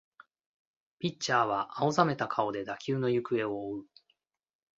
ピッチャーは青ざめた顔で打球の行方を追う